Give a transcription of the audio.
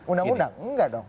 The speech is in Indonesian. undang undang nggak dong